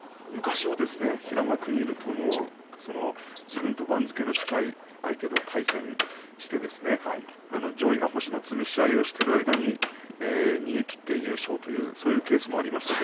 平幕にいると自分の近い番付と対戦して上位の星のつぶし合いをしている間に逃げ切って優勝というそういうケースもありました。